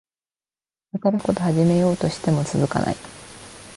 新しいこと始めようとしても続かない